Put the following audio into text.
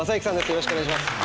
よろしくお願いします。